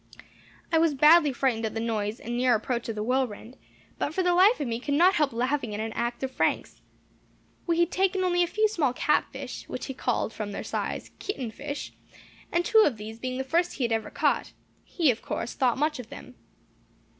I was badly frightened at the noise and near approach of the whirlwind, but for the life of me could not help laughing at an act of Frank's. We had taken only a few small catfish (which he called from their size, kitten fish), and two of these being the first he had ever caught, he of course thought much of them.